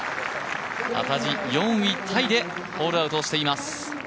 幡地、４位タイでホールアウトしています。